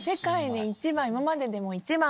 今まででも一番。